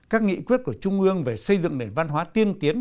các nghị quyết của trung ương về xây dựng nền văn hóa tiên tiến